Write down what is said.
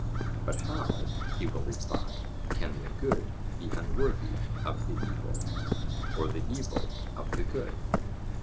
'But how,' he will reply, 'can the good be unworthy of the evil, or the evil of the good'?